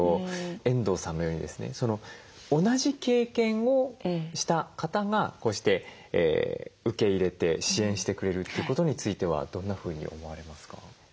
遠藤さんのようにですね同じ経験をした方がこうして受け入れて支援してくれるということについてはどんなふうに思われますか？